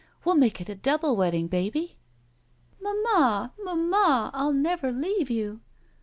We'll make it a double wedding, baby!" Mam^pa! Mamma! I'll never leave you."